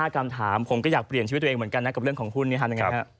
คำถามผมก็อยากเปลี่ยนชีวิตตัวเองเหมือนกันนะกับเรื่องของหุ้นนี้ทำยังไงฮะ